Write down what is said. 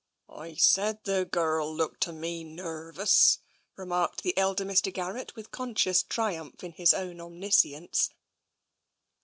" I said the gurrel looked to me nervous," remarked the elder Mr. Garrett, with conscious triumph in his own omniscience.